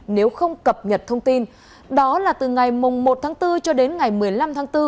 nếu không cập nhật thông tin đó là từ ngày một tháng bốn cho đến ngày một mươi năm tháng bốn